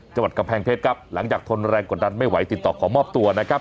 จังหวัดกำแพงเพชรครับหลังจากทนแรงกดดันไม่ไหวติดต่อขอมอบตัวนะครับ